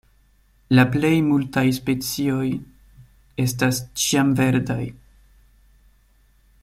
La plej multaj specioj estas ĉiamverdaj.